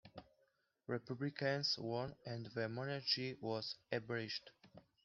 Republicans won, and the monarchy was abolished.